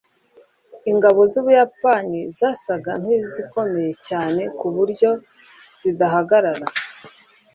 ingabo z'ubuyapani zasaga nkizikomeye cyane ku buryo zidahagarara